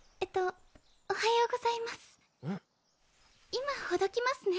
今ほどきますね。